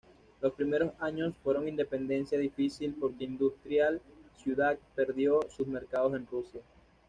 Los primeros años fueron independencia difícil porque industrial ciudad perdió sus mercados en Rusia.